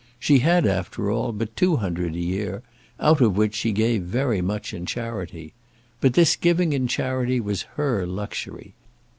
She had, after all, but two hundred a year, out of which she gave very much in charity. But this giving in charity was her luxury.